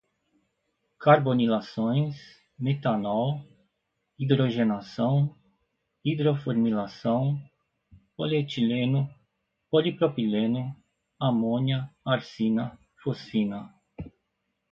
carbonilações, metanol, hidrogenação, hidroformilação, polietileno, polipropileno, amônia, arsina, fosfina